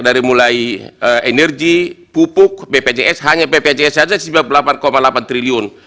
dari mulai energi pupuk bpjs hanya bpjs saja rp sembilan puluh delapan delapan triliun